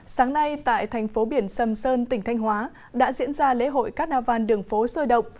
sáng nay tại thành phố biển sâm sơn tỉnh thanh hóa đã diễn ra lễ hội cát nao văn đường phố rồi động